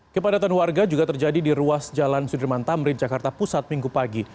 kepadatan warga juga terjadi di ruas jalan sudirman tamrin jakarta pusat minggu pagi